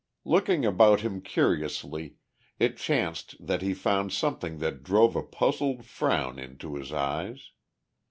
Looking about him curiously it chanced that he found something that drove a puzzled frown into his eyes.